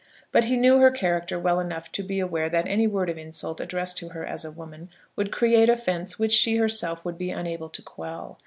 But he knew her character well enough to be aware that any word of insult addressed to her as a woman, would create offence which she herself would be unable to quell.